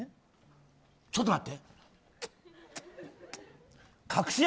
ちょっと待って。